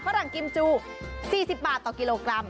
หลังกิมจู๔๐บาทต่อกิโลกรัม